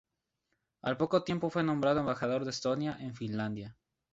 Al poco tiempo fue nombrado embajador de Estonia en Finlandia.